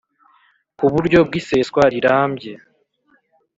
ku buryo bw iseswa rirambye